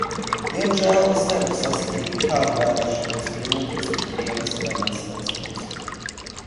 Diemžēl es nevaru saskatīt nekādu vēlēšanos vienoties no Kijevas vai Maskavas puses.